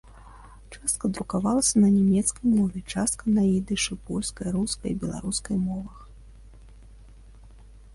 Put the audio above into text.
Частка друкавалася на нямецкай мове, частка на ідышы, польскай, рускай і беларускай мовах.